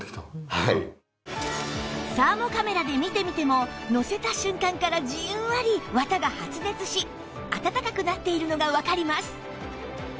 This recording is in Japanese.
サーモカメラで見てみてものせた瞬間からじんわり綿が発熱し暖かくなっているのがわかります